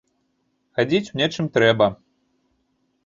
Хадзіць у нечым трэба.